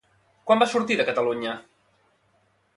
Quan va sortir de Catalunya?